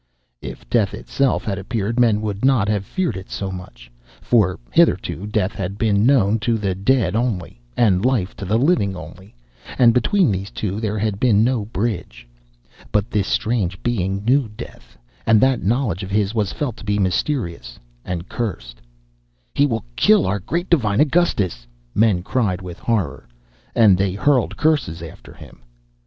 If death itself had appeared men would not have feared it so much; for hitherto death had been known to the dead only, and life to the living only, and between these two there had been no bridge. But this strange being knew death, and that knowledge of his was felt to be mysterious and cursed. "He will kill our great, divine Augustus," men cried with horror, and they hurled curses after him.